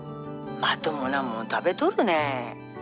まともなもん食べとるね？